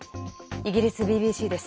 イギリスＢＢＣです。